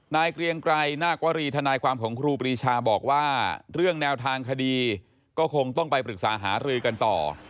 เกรียงไกรนาควรีทนายความของครูปรีชาบอกว่าเรื่องแนวทางคดีก็คงต้องไปปรึกษาหารือกันต่อ